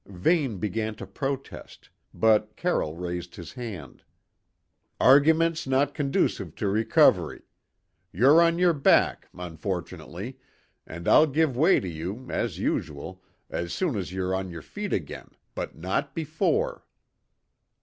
Vane began to protest, but Carroll raised his hand. "Argument's not conducive to recovery. You're on your back, unfortunately, and I'll give way to you, as usual, as soon as you're on your feet again, but not before."